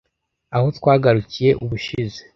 aho twagarukiye ubushize